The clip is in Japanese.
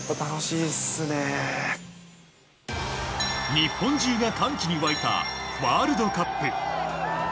日本中が歓喜に沸いたワールドカップ。